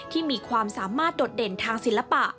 ที่มีความสามารถโดดเด่นทางศิลปะ